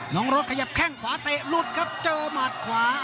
รถขยับแข้งขวาเตะหลุดครับเจอหมัดขวา